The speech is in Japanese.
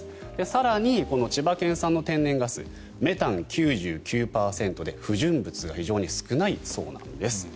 更に千葉県産の天然ガスメタン９９％で不純物が非常に少ないそうなんです。